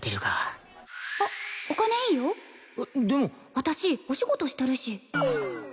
私お仕事してるし。